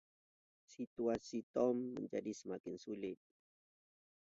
Situasi Tom menjadi semakin sulit.